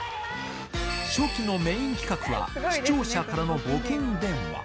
初期のメイン企画は、視聴者からの募金電話。